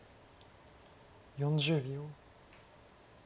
４０秒。